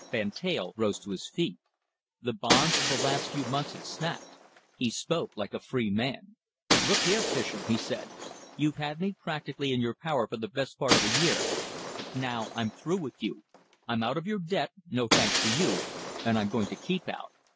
Van Teyl rose to his feet. The bonds of the last few months had snapped. He spoke like a free man. "Look here, Fischer," he said, "you've had me practically in your power for the best part of a year, but now I'm through with you. I'm out of your debt, no thanks to you, and I'm going to keep out.